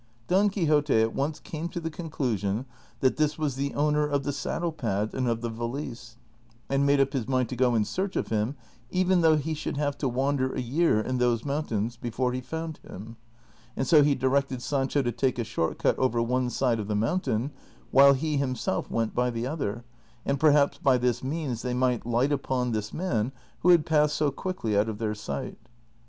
Don Quixote at once came to the conclusion that this was the owner of the saddle pad and of the valise, and made up his mind to go in search of him, even though he should have to wander a year in those mountains before he found him, and so he directed Sancho to take a short cut over one side of the mountain, while he himself went by the other, and perhaps by this means they might light upon this man who had passed so quickly out of their sight.